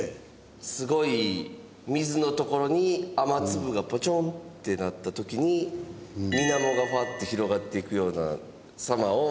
すごい水のところに雨粒がポチョンってなった時に水面がフワッて広がっていくような様を。